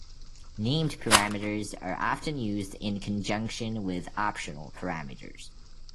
Named parameters are often used in conjunction with optional parameters.